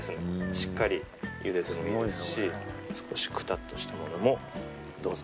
しっかりゆでてもいいですし少しくたっとしたものもどうぞ。